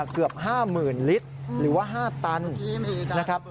เกือบ๕๐๐๐ลิตรหรือว่า๕ตันนะครับ